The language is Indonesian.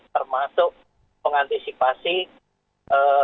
termasuk mengantisipasi ee